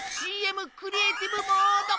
ＣＭクリエイティブモード！